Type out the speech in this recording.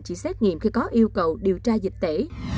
chỉ xét nghiệm khi có yêu cầu điều tra dịch tễ